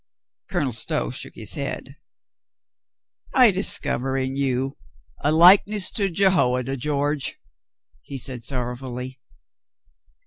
Colonel Stow shook his head. "I discover in you a likeness to Jehoiada, George," he said sorrowfully.